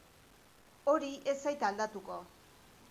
Hori ez zait aldatuko.